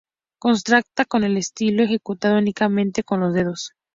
Contrasta con el estilo ejecutado únicamente con los dedos.